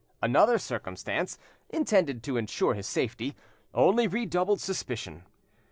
Another circumstance, intended to ensure his safety, only redoubled suspicion.